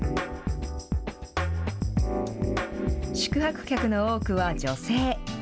宿泊客の多くは女性。